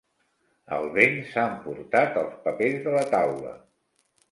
El vent s'ha emportat els papers de la taula.